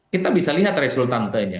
kita bisa lihat resultantenya